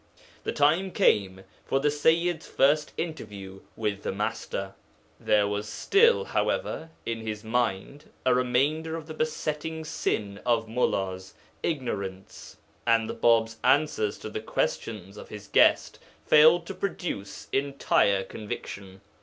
The time came for the Sayyid's first interview with the Master. There was still, however, in his mind a remainder of the besetting sin of mullās' arrogance, and the Bāb's answers to the questions of his guest failed to produce entire conviction.